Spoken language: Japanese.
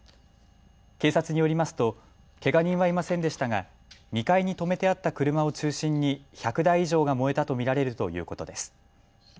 警察によりますとけが人はいませんでしたが２階に止めてあった車を中心に１００台以上が燃えたと見られるということです。